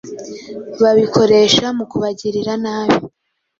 babikoresha mu kubagirira nabi'.